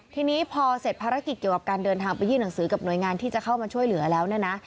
ทีนี้พอเสร็จภารกิจเกี่ยวกับการเดินทางไปยื่นหนังสือกับหน่วยงานที่จะเข้ามาช่วยเหลือแล้วเนี่ยนะ